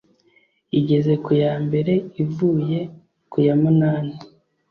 igeze kuyambere, ivuye kuyamunani